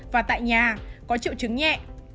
và tại nhà có triệu chứng nhẹ